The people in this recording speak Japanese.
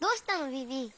ビビ。